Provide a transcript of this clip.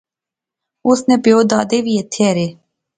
اس نے پیو دادے وی ایتھیں ایہہ رہے